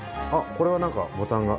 これはなんかボタンが。